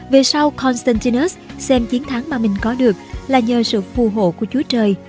về sau constantinus xem chiến thắng mà mình có được là nhờ sự phù hộ của chúa trời